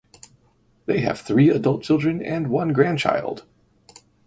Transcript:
They have three adult children and one grandchild.